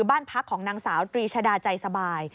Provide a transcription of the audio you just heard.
บ้านพักของนางสาวตรีชดาใจสบาย